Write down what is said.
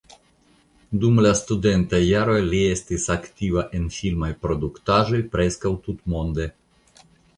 Dum la studentaj jaroj li estis aktiva en filmaj produktaĵoj preskaŭ tutmonde.